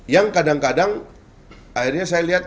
yang kadang kadang akhirnya saya lihat